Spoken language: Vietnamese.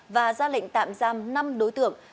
và ra lệnh tạm giam năm đối tượng